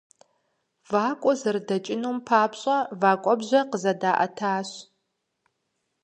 Вакӏуэ зэрыдэкӏыным папщӏэ вэкӏуэбжьэ къызэдаӏэтащ.